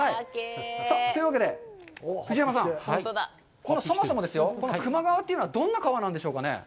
というわけで、藤山さん、そもそもですよ、球磨川というのはどんな川なんですかね。